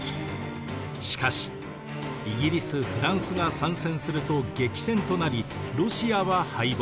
しかしイギリスフランスが参戦すると激戦となりロシアは敗北。